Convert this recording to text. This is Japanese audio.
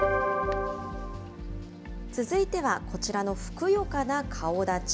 続いてはこちらのふくよかな顔だち。